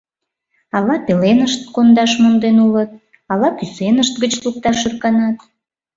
Ала пеленышт кондаш монден улыт, ала кӱсенышт гыч лукташ ӧрканат.